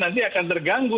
nanti akan terganggu